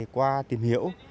qua tìm hiểu